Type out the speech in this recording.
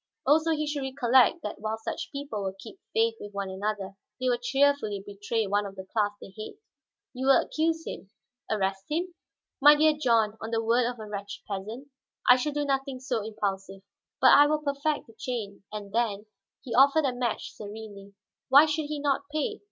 Also he should recollect that while such people will keep faith with one another, they will cheerfully betray one of the class they hate." "You will accuse him, arrest him?" "My dear John, on the word of a wretched peasant? I shall do nothing so impulsive. But, I will perfect the chain, and then " He offered a match serenely. "Why should he not pay?